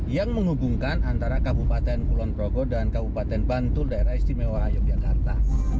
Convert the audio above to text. yang menghubungkan antara kabupaten kulon progo dan kabupaten bantul daerah istimewa yogyakarta